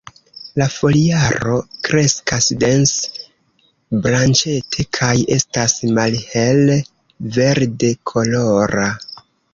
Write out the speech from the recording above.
La foliaro kreskas dens-branĉete, kaj estas malhel-verde kolora.